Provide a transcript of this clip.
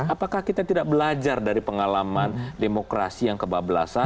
apakah kita tidak belajar dari pengalaman demokrasi yang kebablasan